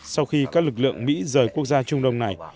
sau khi các lực lượng mỹ rời quốc gia trung đông này